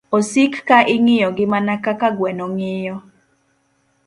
Osik ka ing'iyogi mana kaka gweno ng'iyo